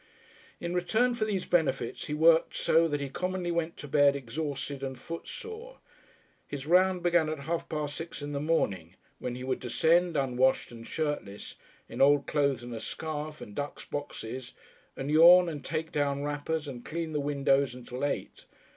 In return for these benefits he worked so that he commonly went to bed exhausted and footsore. His round began at half past six in the morning, when he would descend unwashed and shirtless, in old clothes and a scarf, and dust boxes and yawn, and take down wrappers and clean the windows until eight.